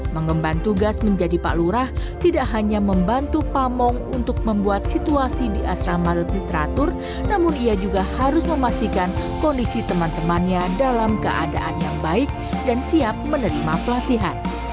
mengemban tugas menjadi pak lurah tidak hanya membantu pamong untuk membuat situasi di asrama lebih teratur namun ia juga harus memastikan kondisi teman temannya dalam keadaan yang baik dan siap menerima pelatihan